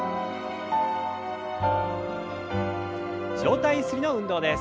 上体ゆすりの運動です。